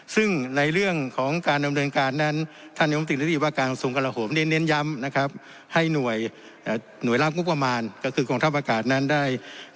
ซึ่งในเรื่องของการดำเนินการนั้นท่านยมติฤดีว่าการกระทรวงกราโหมได้เน้นย้ำนะครับให้หน่วยหน่วยรับงบประมาณก็คือกองทัพอากาศนั้นได้